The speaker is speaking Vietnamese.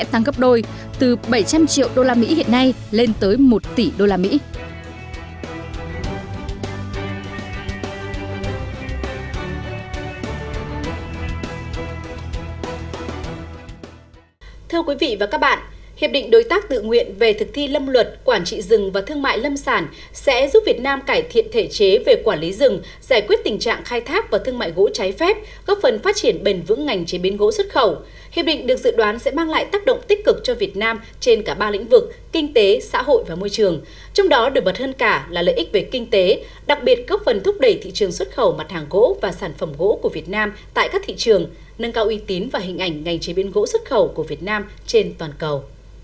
hiệp định đối tác tự nguyện về thực thi lâm luật quản trị rừng và thương mại lâm sản vpa pletty giữa việt nam và liên minh châu âu eu là hiệp định thương mại có tính chất giảng buộc về mặt pháp lý nhằm mục tiêu cải thiện quản trị rừng và thúc đẩy thương mại gỗ và sản phẩm gỗ hợp pháp xuất khẩu từ việt nam sang thị trường eu